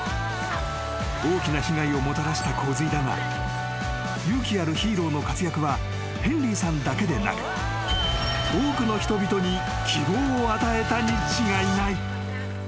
［大きな被害をもたらした洪水だが勇気あるヒーローの活躍はヘンリーさんだけでなく多くの人々に希望を与えたに違いない］